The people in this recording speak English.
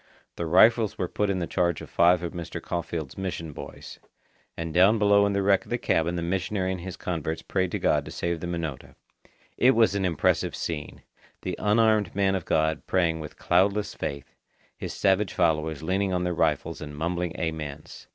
The rifles were put in the charge of five of Mr. Caulfeild's mission boys. And down below in the wreck of the cabin the missionary and his converts prayed to God to save the Minota. It was an impressive scene! the unarmed man of God praying with cloudless faith, his savage followers leaning on their rifles and mumbling amens.